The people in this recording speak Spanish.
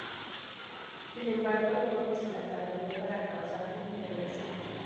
Sin embargo el juego se las arregló para causar controversia.